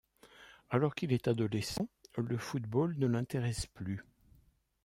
Alors qu'il est adolescent, le football ne l’intéresse plus.